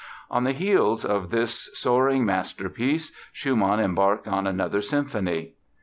On the heels of this soaring masterpiece Schumann embarked on another symphony.